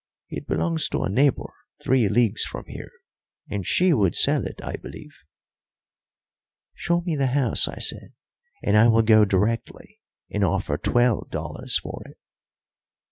It belongs to a neighbour three leagues from here, and she would sell it, I believe." "Show me the house," I said, "and I will go directly and offer twelve dollars for it."